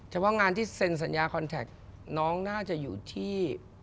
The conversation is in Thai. ว่างานที่เซ็นสัญญาคอนแท็กน้องน่าจะอยู่ที่